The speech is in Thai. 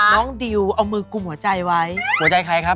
น้องดิวเอามือกลุ่มหัวใจไว้หัวใจใครครับ